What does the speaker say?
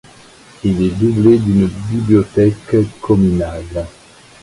Il est doublé d'une bibliothèque communale.